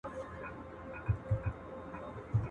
د بلي وني سوري ته نيالي نه غټېږي.